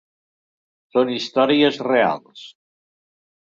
Són històries reals.